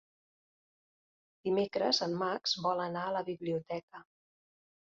Dimecres en Max vol anar a la biblioteca.